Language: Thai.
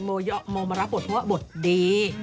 โมเยาะโมมรับบทเพราะว่าบทดี